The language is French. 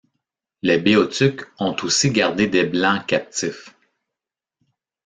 Les Béothuks ont aussi gardé des Blancs captifs.